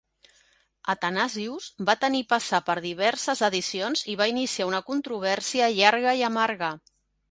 "Athanasius" va tenir passar per diverses edicions i va iniciar una controvèrsia llarga i amarga.